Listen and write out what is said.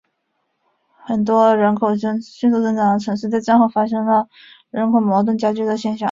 许多人口迅速增长的城市在战后发生了种族矛盾加剧的现象。